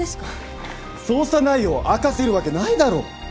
捜査内容を明かせるわけないだろ！